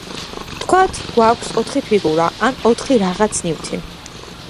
ვთქვათ, გვაქვს ოთხი ფიგურა, ან ოთხი რაღაც ნივთი.